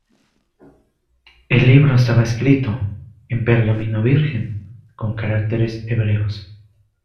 El libro estaba escrito en pergamino virgen con caracteres hebreos.